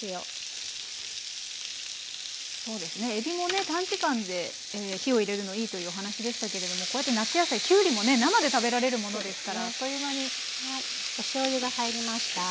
えびもね短時間で火を入れるのいいというお話でしたけれどもこうやって夏野菜きゅうりもね生で食べられるものですからあっという間に。